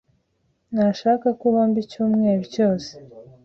Ntashaka ko uhomba icyumweru cyose.